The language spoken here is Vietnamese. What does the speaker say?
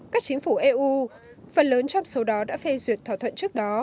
các chính phủ eu phần lớn trong số đó đã phê duyệt thỏa thuận trước đó